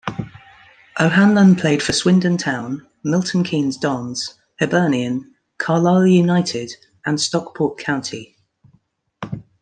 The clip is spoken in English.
O'Hanlon played for Swindon Town, Milton Keynes Dons, Hibernian, Carlisle United and Stockport County.